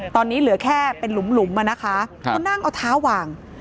ตอนนี้เหลือแค่เป็นหลุมอ่ะนะคะเขานั่งเอาเท้าวาง